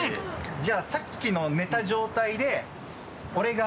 じゃあさっきの寝た状態で俺が。